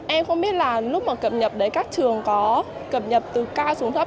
em không biết là lúc mà cập nhật đấy các trường có cập nhật từ cao xuống gấp